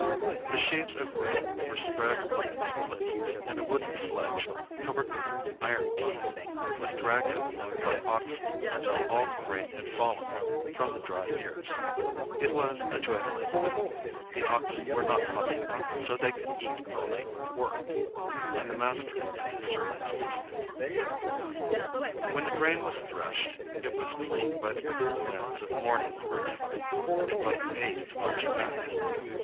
The sheaves of grain were spread on these places, and a wooden sledge, covered with iron teeth, was dragged over them by oxen until all the grain had fallen from the dry ears. It was a joyful time, the oxen were not muzzled, so they could eat while they worked, and the master and his servants feasted. [Illustration: "THE OXEN WERE NOT MUZZLED."] When the grain was threshed, it was cleaned by the cool winds of morning or evening, and by the aid of large fans.